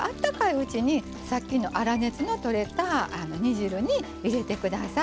うちにさっきの粗熱のとれた煮汁に入れて下さい。